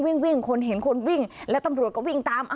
วิ่งวิ่งคนเห็นคนวิ่งและตำรวจก็วิ่งตาม